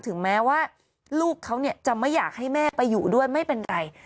ถึงแม้ว่าลูกเขาจะไม่อยากให้แม่ไปอยู่ด้วยไม่เป็นไร